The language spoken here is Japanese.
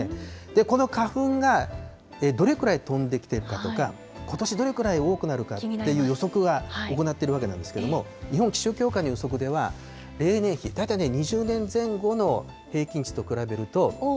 この花粉がどれくらい飛んできているかとか、ことしどれくらい多くなるかっていう予測が行っているわけなんですけど、日本気象協会の予測では、例年比、大体２０年前後の平均値と比べると。